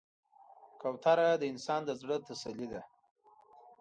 کوتره د انسان د زړه تسلي ده.